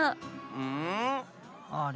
うん？あれ？